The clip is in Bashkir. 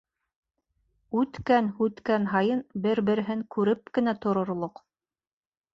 Үткән-Һүткән һайын бер-береһен күреп кенә торорлоҡ.